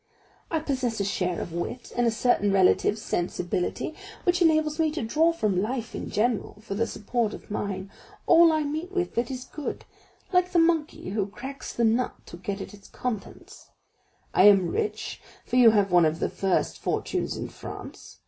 I possess a share of wit, and a certain relative sensibility, which enables me to draw from life in general, for the support of mine, all I meet with that is good, like the monkey who cracks the nut to get at its contents. I am rich, for you have one of the first fortunes in France.